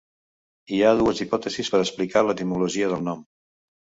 Hi ha dues hipòtesis per a explicar l'etimologia del nom.